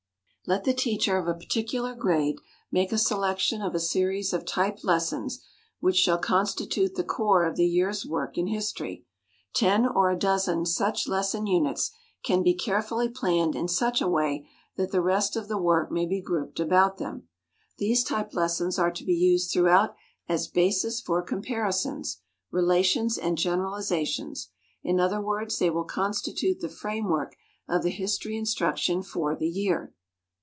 Let the teacher of a particular grade make a selection of a series of type lessons which shall constitute the core of the year's work in history. Ten or a dozen such lesson units can be carefully planned in such a way that the rest of the work may be grouped about them. These type lessons are to be used throughout as bases for comparisons, relations and generalizations; in other words, they will constitute the framework of the history instruction for the year.